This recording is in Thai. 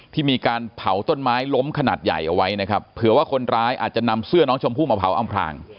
ที่มีการเผาต้นไม้ล้มขนาดใหญ่เอาไว้นะครับเผื่อว่าคนร้ายอาจจะนำเสื้อน้องชมพู่มาเผาอำพลาง